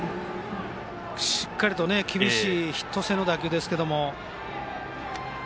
しっかりと厳しいヒット性の打球ですけど。